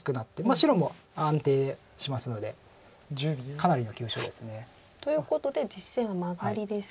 白も安定しますのでかなりの急所です。ということで実戦はマガリです。